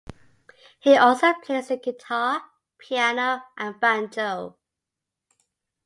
He also plays the guitar, piano, and banjo.